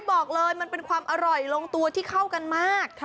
บอกเลยมันเป็นความอร่อยลงตัวที่เข้ากันมาก